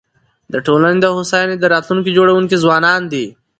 د ټولني د هوساینې د راتلونکي جوړونکي ځوانان دي.